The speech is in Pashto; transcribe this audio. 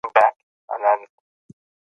په ژمي کې د ونو پاڼې ټولې رژېږي.